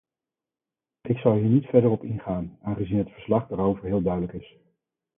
Ik zal hier niet verder op ingaan, aangezien het verslag daarover heel duidelijk is.